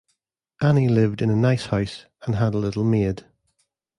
Annie lived in a nice house, and had a little maid.